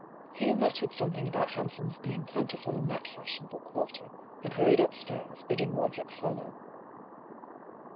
Hugh muttered something about hansoms being plentiful in that fashionable quarter, and hurried up stairs, bidding Roderick follow.